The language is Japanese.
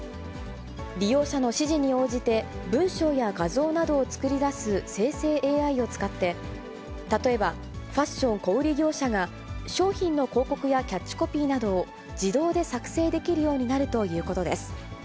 利用者の指示に応じて、文章や画像などを作り出す生成ＡＩを使って、例えば、ファッション小売り業者が商品の広告やキャッチコピーなどを自動で作成できるようになるということです。